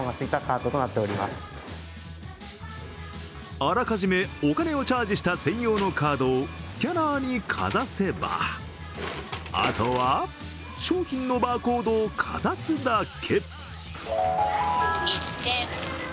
あらかじめ、お金をチャージした専用のカードをスキャナーにかざせば、あとは商品のバーコードをかざすだけ。